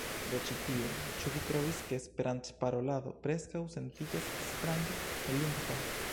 Do ĉi tiu, "Ĉu vi trovis ke Esperantparolado preskaŭ sentiĝas strange nelingva?"